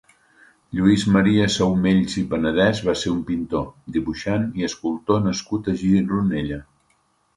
Lluís Maria Saumells i Panadés va ser un pintor, dibuixant i escultor nascut a Gironella.